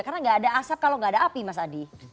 karena gak ada asap kalau gak ada api mas adi